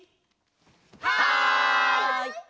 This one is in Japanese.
はい！